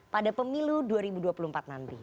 pada pemilu dua ribu dua puluh empat nanti